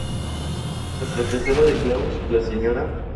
La profesora de Klaus, La Sra.